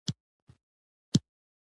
د سړي تندي ګونځې پيدا کړې.